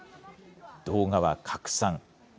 動画は拡散。